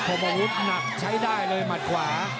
อาวุธหนักใช้ได้เลยหมัดขวา